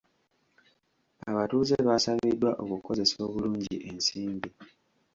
Abatuuze baasabiddwa okukozesa obulungi ensimbi.